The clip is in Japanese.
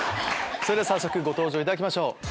それでは早速ご登場いただきましょう。